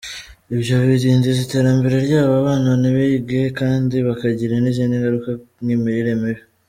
Ibyo bidindiza iterambere ryabo, abana ntibige kandi bakagira n’izindi ngaruka nk’imirire mibi.